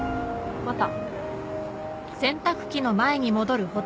また。